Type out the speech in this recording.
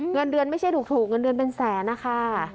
เงินเดือนไม่ใช่ถูกเงินเดือนเป็นแสนนะคะ